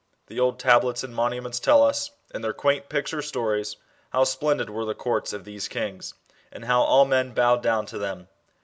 The old tablets and monuments tell us, in their quaint picture stories, how splendid were the courts of these kings, and how all men bowed down to them.